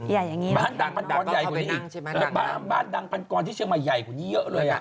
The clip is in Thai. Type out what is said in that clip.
บ้านดังปันกรใหญ่กว่านี้บ้านดังปันกรที่เชียงใหม่ใหญ่กว่านี้เยอะเลย